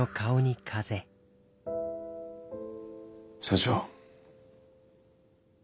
社長。